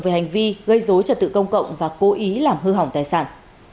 về hành vi gây dối trật tự công cộng và cố ý làm hư hỏng tài sản